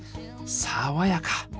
爽やか！